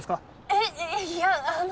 えっいやあの。